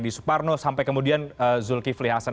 di suparno sampai kemudian zulkifli hasan